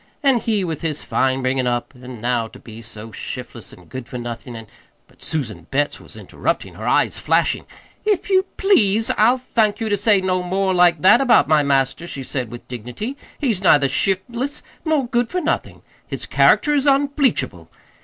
"An' he with his fine bringin' up, an' now to be so shiftless an' good for nothin', an' " But Susan Betts was interrupting, her eyes flashing. "If you please, I'll thank you to say no more like that about my master," she said with dignity. "He's neither shiftless, nor good for nothin'. His character is unbleachable!